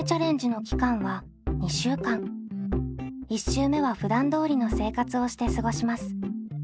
１週目はふだんどおりの生活をして過ごします。